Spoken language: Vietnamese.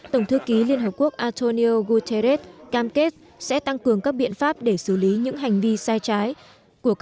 tổng thư ký liên hợp quốc antonio guterres cam kết sẽ tăng cường các biện pháp để xử lý những hành vi xảy ra